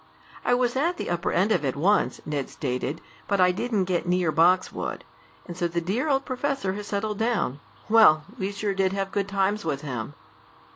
"I was at the upper end of it once," Ned stated, "but I didn't get near Boxwood. And so the dear old professor has settled down. Well, we sure did have good times with him!"